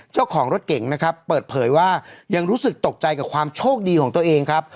เจ้าของรถเก่งนะครับเปิดเผยว่ายังรู้สึกตกใจกับความโชคดีของตัวเองครับ